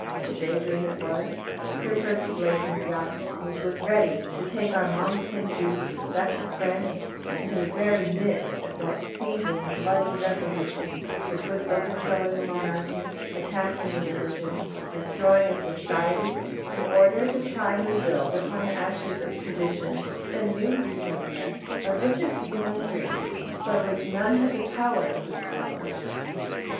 The Day Dream it was, Sir Percy Blakeney's yacht, which was ready to take Armand St. Just back to France into the very midst of that seething, bloody Revolution which was overthrowing a monarchy, attacking a religion, destroying a society, in order to try and rebuild upon the ashes of tradition a new Utopia, of which a few men dreamed, but which none had the power to establish.